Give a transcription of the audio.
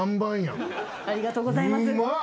ありがとうございます。